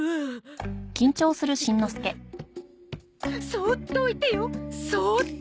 そーっと置いてよそーっとね。